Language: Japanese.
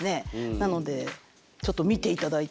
なのでちょっと見ていただいて。